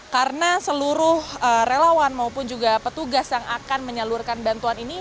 karena seluruh relawan maupun juga petugas yang akan menyalurkan bantuan ini